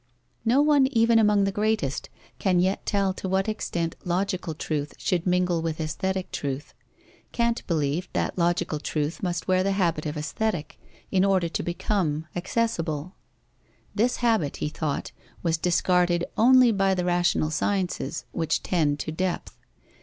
No one, even among the greatest, can yet tell to what extent logical truth should mingle with aesthetic truth. Kant believed that logical truth must wear the habit of Aesthetic, in order to become accessible. This habit, he thought, was discarded only by the rational sciences, which tend to depth.